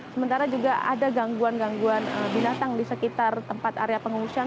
sementara juga ada gangguan gangguan binatang di sekitar tempat area pengungsian